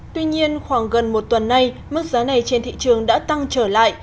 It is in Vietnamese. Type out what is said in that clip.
tuy nhiên khoảng gần một tuần nay mức giá này trên thị trường đã tăng trở lại